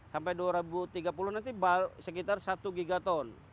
sampai dua ribu tiga puluh nanti sekitar satu gigaton